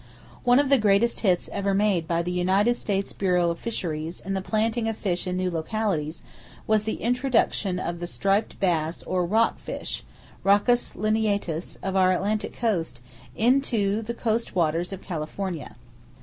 One of the greatest hits ever made by the United States Bureau of Fisheries in the planting of fish in new localities was the introduction of the striped bass or rock fish (Roccus lineatus) of our Atlantic coast, into the coast waters of California.